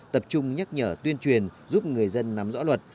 tập trung nhắc nhở tuyên truyền giúp người dân nắm rõ luật